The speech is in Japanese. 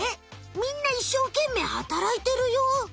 みんないっしょうけんめい働いてるよ！